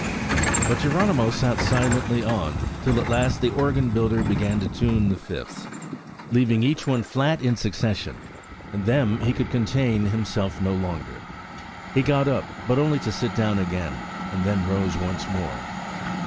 But Geronimo sat silently on, till at last the organ builder began to tune the fifths, leaving each one flat in succession; and them he could contain himself no longer. He got up, but only to sit down again, and then rose once more.